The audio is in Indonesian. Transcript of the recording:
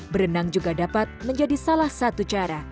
berenang juga dapat menjadi salah satu cara